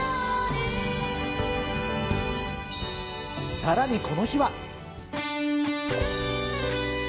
さらにこの日は。